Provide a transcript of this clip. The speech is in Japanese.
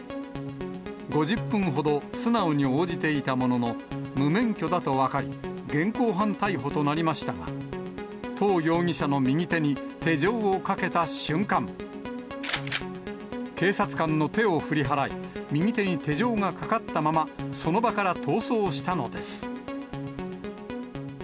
５０分ほど素直に応じていたものの、無免許だと分かり、現行犯逮捕となりましたが、唐容疑者の右手に手錠をかけた瞬間、警察官の手を振り払い、右手に手錠がかかったまま、その場から逃走したのです。